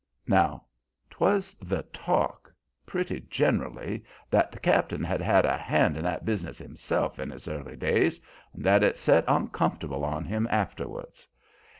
"Now, 'twas the talk pretty gen'rally that the cap'n had had a hand in that business himself in his early days, and that it set uncomfortable on him afterwards.